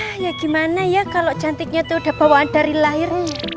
ah ya gimana ya kalau cantiknya itu udah bawaan dari lahir